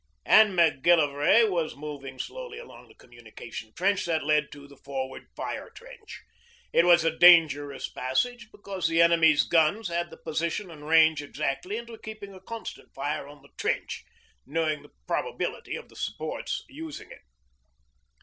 And Macgillivray was moving slowly along the communication trench that led to the forward fire trench. It was a dangerous passage, because the enemy's guns had the position and range exactly and were keeping a constant fire on the trench, knowing the probability of the supports using it.